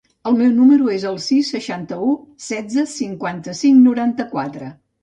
El meu número es el sis, seixanta-u, setze, cinquanta-cinc, noranta-quatre.